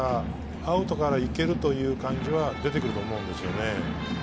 アウトからいけるという感じは出てくると思うんですよね。